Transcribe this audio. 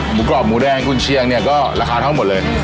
หมูกรอบหมูแดงกุญเชียงเนี่ยก็ราคาเท่าหมดเลย